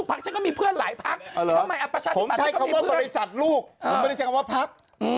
ผมใช้คำว่าบริษัทลูกผมไม่ใช่คำว่าภักดิ์